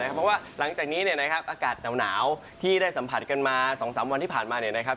เพราะว่าหลังจากนี้เนี่ยนะครับอากาศหนาวหนาวที่ได้สัมผัสกันมาสองสามวันที่ผ่านมาเนี่ยนะครับ